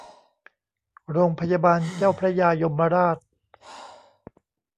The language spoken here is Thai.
โรงพยาบาลเจ้าพระยายมราช